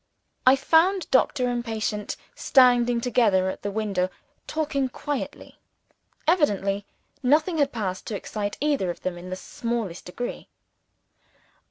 I found doctor and patient standing together at the window, talking quietly. Evidently, nothing had passed to excite either of them in the smallest degree.